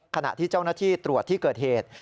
ขณะที่เจ้าหน้าที่ตรวจที่เกิดเหตุ